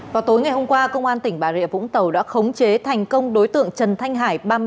vào tối ngày hôm qua công an tỉnh bà rịa vũng tàu đã khống chế thành công đối tượng trần thanh hải